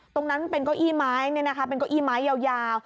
ตรงนั้นเป็นเก้าอี้ม้ายยาวยาว